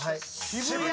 「渋谷」